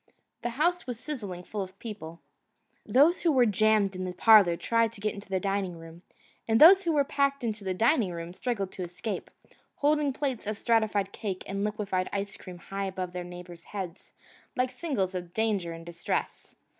The house was sizzling full of people. Those who were jammed in the parlour tried to get into the dining room, and those who were packed in the dining room struggled to escape, holding plates of stratified cake and liquefied ice cream high above their neighbours' heads like signals of danger and distress.